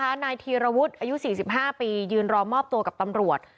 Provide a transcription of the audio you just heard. เมื่อนายทีรวฟุศอายุ๔๕ปียืนรอมมอบตัวกับตำรวจ